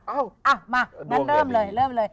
อ้าวมาเริ่มเลยเริ่มเลย